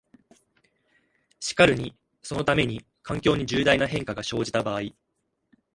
しかるにそのために、環境に重大な変化が生じた場合、